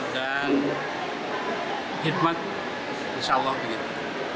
dan hikmat insya allah begitu